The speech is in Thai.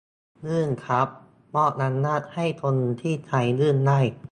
ยื่นครับ มอบอำนาจให้คนที่ไทยยื่นให้